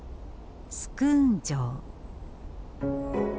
スクーン城。